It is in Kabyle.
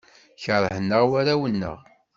Keṛhen-aɣ warraw-nneɣ.